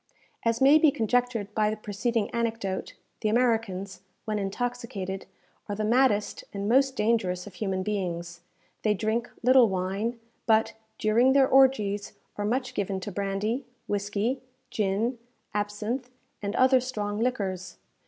As may be conjectured by the preceding anecdote, the Americans, when intoxicated, are the maddest and most dangerous of human beings. They drink little wine; but, during their orgies, are much given to brandy, whisky, gin, absinthe, and other strong liquors.